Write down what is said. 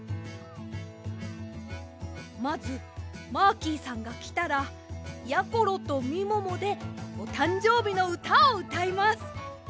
まずマーキーさんがきたらやころとみももでおたんじょうびのうたをうたいます！